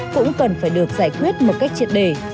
cũng cần phải được giải quyết một cách triệt đề